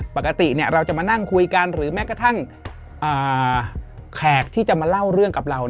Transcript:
ปกติเราจะมานั่งคุยกันหรือแม้กระทั่งแขกที่จะมาเล่าเรื่องกับเรา